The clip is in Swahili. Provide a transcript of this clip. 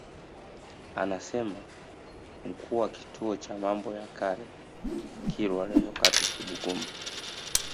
Anasema Mkuu wa Kituo cha Mambo ya Kale Kilwa Revocatus Bugumba